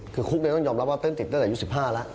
คือคุกต้องยอมรับว่าเต้นติดตั้งแต่อายุ๑๕แล้ว